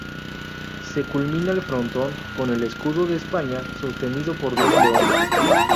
Se culmina el frontón con el escudo de España sostenido por dos leones.